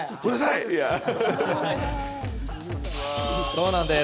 そうなんです。